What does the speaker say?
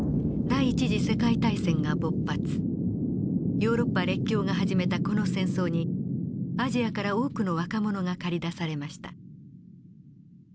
ヨーロッパ列強が始めたこの戦争にアジアから多くの若者が駆り出されました。